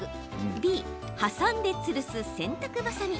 Ｂ・挟んでつるす、洗濯ばさみ。